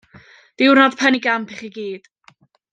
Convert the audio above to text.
Diwrnod penigamp i chi i gyd.